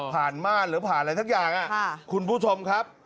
ม่านหรือผ่านอะไรสักอย่างคุณผู้ชมครับ